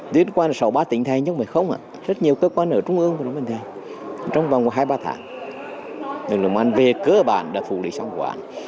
tuyến qua là sáu mươi ba tỉnh thái nhưng mà không ạ rất nhiều cơ quan ở trung ương ở đông bình thái trong vòng hai ba tháng về cơ bản đã phụ lý xong vụ án